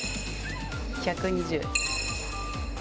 １２０。